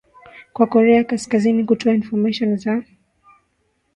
kwa korea kaskazini kutoa information za